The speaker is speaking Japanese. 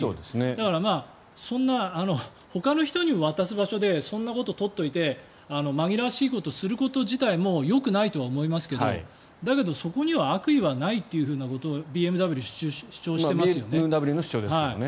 だから、そんなほかの人に渡す場所でそんなこと取っといて紛らわしいことをすること自体よくないとは思いますけどだけど、そこには悪意はないということをＢＭＷの主張ですけどね。